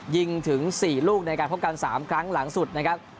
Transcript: ยิงถึง๔ลูกในการพบกัน๓ครั้งหลังสุดนะครับ